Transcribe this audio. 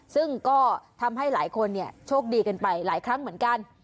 ซึ่งก็ทำให้หลายคนโชคดีกันไปหลายครั้งเหมือนกัน